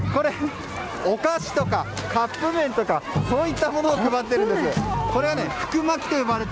お菓子とかカップ麺とかそういったものを配っているんですって。